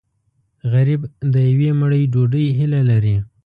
غریب د یوې مړۍ ډوډۍ هیله لري